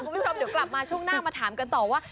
คุณผู้ชมเดี๋ยวกลับมาช่วงหน้ามาถามกันต่อว่า